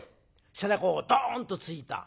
背中をドンと突いた。